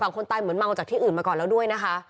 คนตายเหมือนเมาจากที่อื่นมาก่อนแล้วด้วยนะคะ